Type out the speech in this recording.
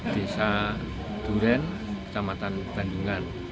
desa duren kecamatan tanjungan